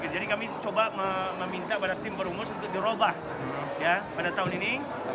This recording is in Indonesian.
jadi kami coba meminta pada tim perumus untuk diubah pada tahun ini